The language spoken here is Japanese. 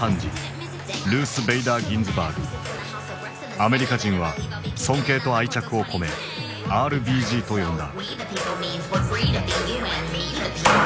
アメリカ人は尊敬と愛着を込め「ＲＢＧ」と呼んだ。